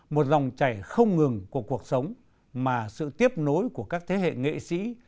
một dòng chảy không ngừng của cuộc sống mà sự tiếp nối của các thế hệ nghệ sĩ